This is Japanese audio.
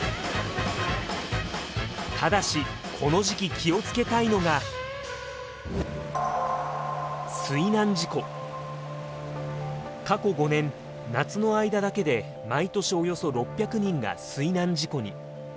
ただしこの時期気を付けたいのが過去５年夏の間だけで毎年およそ６００人が水難事故に。